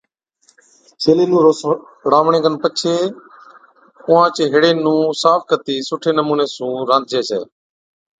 ڇيلي نُون روسڙاوَڻي کن پڇي اُونھان چي ھيڙي نُون صاف ڪتِي سُٺي نمُوني سُون رانڌجَي ڇَي